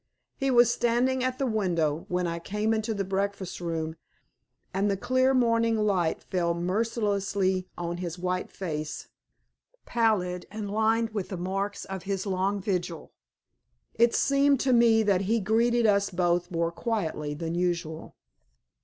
He was standing at the window when I came into the breakfast room, and the clear morning light fell mercilessly on his white face, pallid and lined with the marks of his long vigil. It seemed to me that he greeted us both more quietly than usual.